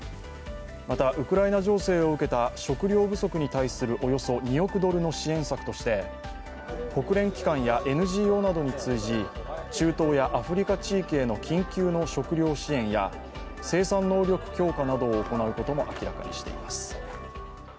また、ウクライナ情勢を受けた食糧不足に対するおよそ２億ドルの支援策について国連機関やＮＧＯなどを通じ中東やアフリカ地域への緊急の食料支援や生産能力強化などを行うことも明らかにしています。